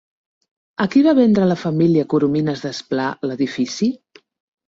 A qui va vendre la família Coromines-Desplà l'edifici?